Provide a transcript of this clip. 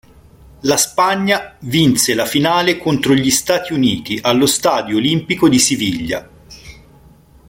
La Spagna vinse la finale contro gli Stati Uniti allo Stadio Olimpico di Siviglia.